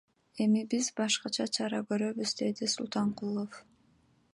Эми биз башкача чара көрөбүз, — деди Султанкулов.